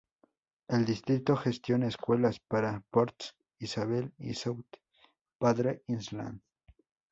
El distrito gestiona escuelas para Port Isabel y South Padre Island.